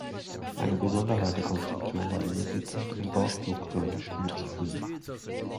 Eine Besonderheit der Konstruktion war die Möglichkeit, ein Bordflugzeug mitzuführen.